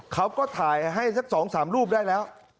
เขาก็ถ่ายให้สัก๒๓รูปได้แล้ว